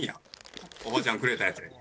おばちゃんくれたやつやで。